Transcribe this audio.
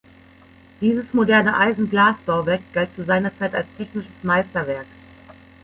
Dieses moderne Eisen-Glas-Bauwerk galt zu seiner Zeit als technisches Meisterwerk.